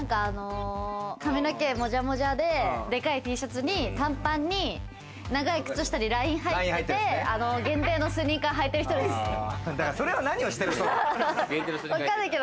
髪の毛もじゃもじゃで、でかいＴシャツに短パンに長い靴下にライン入ってて、限定のスニそれは何をしている人なの？